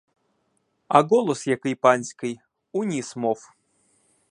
А голос який панський: у ніс мов.